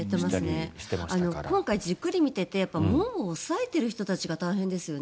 今回じっくり見ていて門を押さえている人たちが大変ですよね。